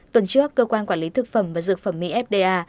tuần trước cơ quan quản lý thực phẩm và dược phẩm mỹ fda